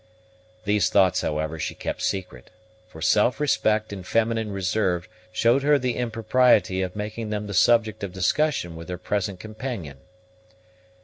These thoughts, however, she kept secret; for self respect and feminine reserve showed her the impropriety of making them the subject of discussion with her present companion.